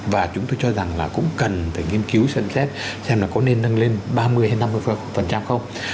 và chúng tôi cho rằng là cũng cần phải nghiên cứu xem xét xem là có nên nâng lên ba mươi hay năm mươi không